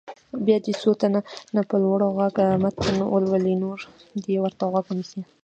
بیا دې څو تنه په لوړ غږ متن ولولي نور دې ورته غوږ ونیسي.